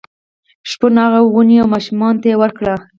شپون هغه ونیو او ماشومانو ته یې ورکړ.